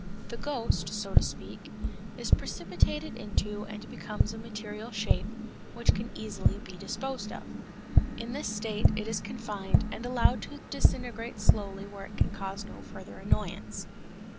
The ghost, so to speak, is precipitated into and becomes a material shape which can easily be disposed of. In this state it is confined and allowed to disintegrate slowly where it can cause no further annoyance.